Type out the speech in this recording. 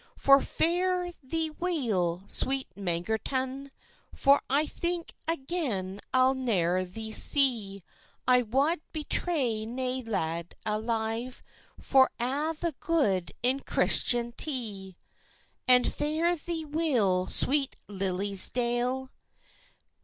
"Now fare thee weel, sweet Mangerton! For I think again I'll ne'er thee see: I wad betray nae lad alive, For a' the goud in Christentie. "And fare thee weel, sweet Liddesdale!